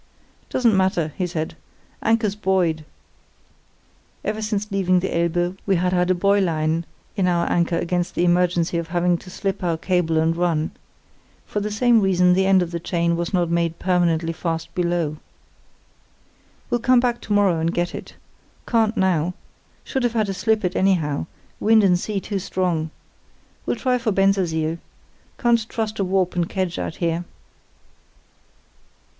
"'Doesn't matter,' he said; 'anchor's buoyed. (Ever since leaving the Elbe we had had a buoy line on our anchor against the emergency of having to slip our cable and run. For the same reason the end of the chain was not made permanently fast below.) We'll come back to morrow and get it. Can't now. Should have had to slip it anyhow; wind and sea too strong. We'll try for Bensersiel. Can't trust to a warp and kedge out here.